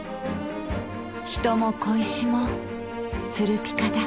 人も小石もつるピカだ。